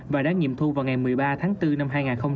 và đã nghiệm thu vào ngày một mươi ba tháng bốn năm hai nghìn hai mươi